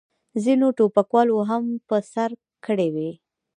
ځینو ټوپکوالو هم په سر کړې وې.